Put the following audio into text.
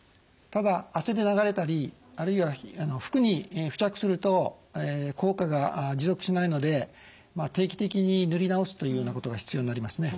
ただ汗で流れたりあるいは服に付着すると効果が持続しないので定期的に塗り直すというようなことが必要になりますね。